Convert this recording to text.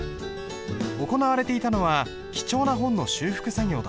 行われていたのは貴重な本の修復作業だ。